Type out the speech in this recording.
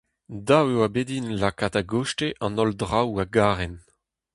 Dav e oa bet din lakaat a-gostez an holl draoù a garen.